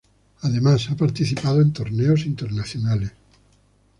Además ha participado en torneos internacionales.